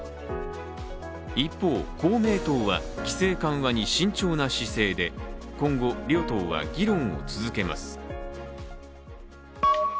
一方、公明党は規制緩和に慎重な姿勢で今後、両党は議論を続けます。